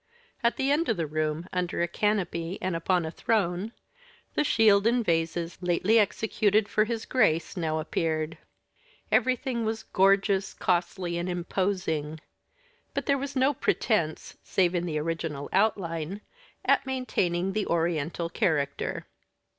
At the end of the room, under a canopy and upon a throne, the shield and vases lately executed for his Grace now appeared. Everything was gorgeous, costly, and imposing; but there was no pretense, save in the original outline, at maintaining the Oriental character.